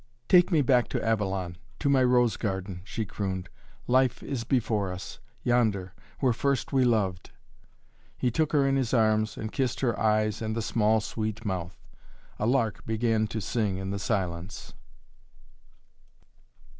"Take me back to Avalon, to my rose garden," she crooned. "Life is before us yonder where first we loved." He took her in his arms and kissed her eyes and the small sweet mouth. A lark began to sing in the silence.